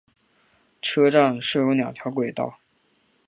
车站设有两条轨道。